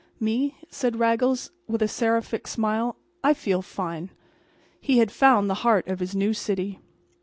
"Me?" said Raggles, with a seraphic smile, "I feel fine." He had found the heart of his new city.